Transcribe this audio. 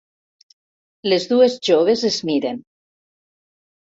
Les dues joves es miren.